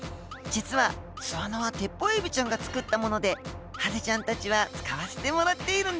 実は巣穴はテッポウエビちゃんが作ったものでハゼちゃんたちは使わせてもらっているんです。